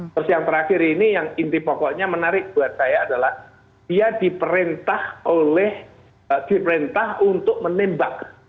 terus yang terakhir ini yang inti pokoknya menarik buat saya adalah dia diperintah oleh diperintah untuk menembak